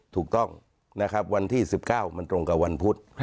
ถูกต้องนะครับวันที่๑๙มันตรงกับวันพุธ